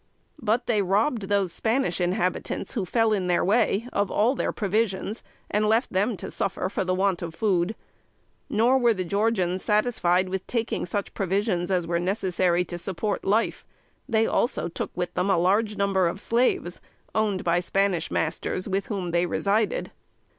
But they robbed those Spanish inhabitants who fell in their way of all their provisions, and left them to suffer for the want of food. Nor were the Georgians satisfied with taking such provisions as were necessary to support life; they also took with them a large number of slaves, owned by Spanish masters, with whom they resided.